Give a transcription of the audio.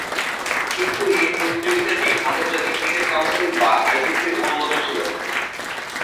কিন্তু এ প্রতিযোগিতাটি আন্তর্জাতিক ক্রিকেট কাউন্সিল বা আইসিসি'র অনুমোদন ছিল না।